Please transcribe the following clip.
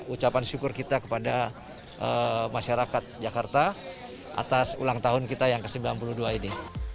ucapan syukur kita kepada masyarakat jakarta atas ulang tahun kita yang ke sembilan puluh dua ini